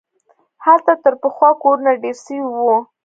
هلته تر پخوا کورونه ډېر سوي وو.